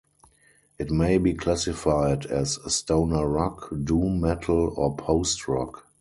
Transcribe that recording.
It may be classified as stoner rock, doom metal, or post-rock.